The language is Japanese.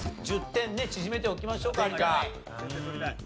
１０点ね縮めておきましょうか有田ナイン。